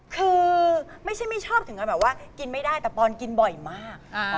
คือไม่ใช่ไม่ชอบถึงกันแบบว่ากินไม่ได้แต่ปอนกินบ่อยมาก